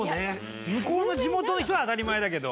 向こうの地元の人は当たり前だけど。